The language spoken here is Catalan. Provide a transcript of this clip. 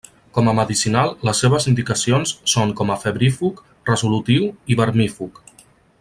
Com a medicinal les seves indicacions són com a febrífug, resolutiu i vermífug.